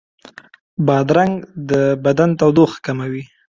بادرنګ د بدن تودوخه کموي.